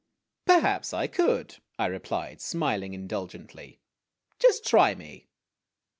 "Perhaps I could," I replied, smiling indulgently. "Just try me."